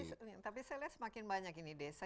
tapi saya lihat semakin banyak ini desa